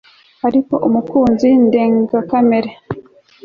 Ariko umukunzi ndengakamere